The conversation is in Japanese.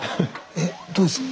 えっどうですか？